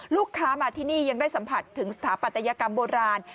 ลูกค้ามาที่นี่ยังได้สัมผัสถึงสถาปัตยกรรมโบราณ